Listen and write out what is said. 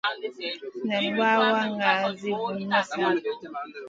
Nan wawa ŋa zi vun masana.